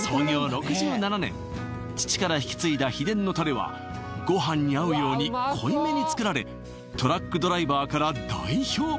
６７年父から引き継いだ秘伝のタレはご飯に合うように濃いめに作られトラックドライバーから大評判！